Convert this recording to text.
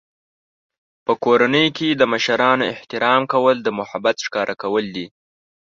په کورنۍ کې د مشرانو احترام کول د محبت ښکاره کول دي.